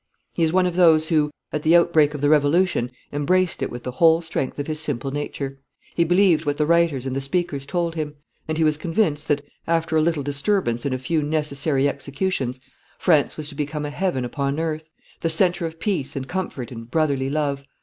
'He is one of those who, at the outbreak of the Revolution, embraced it with the whole strength of his simple nature. He believed what the writers and the speakers told him, and he was convinced that, after a little disturbance and a few necessary executions, France was to become a heaven upon earth, the centre of peace and comfort and brotherly love.